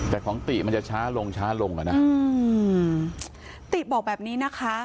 แต่ของติมันจะช้าลงช้าลงอ่ะนะอืมติบอกแบบนี้นะคะ